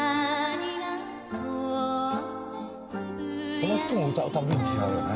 「この人も歌うたびに違うよね」